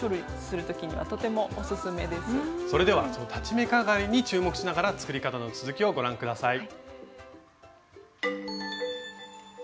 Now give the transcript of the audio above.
それではその裁ち目かがりに注目しながら作り方の続きをご覧下さい。